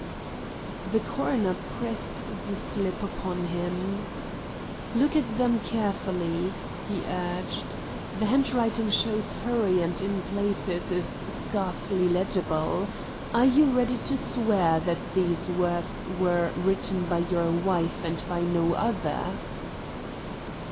The coroner pressed the slip upon him. "Look at them carefully," he urged. "The handwriting shows hurry and in places is scarcely legible. Are you ready to swear that these words were written by your wife and by no other?"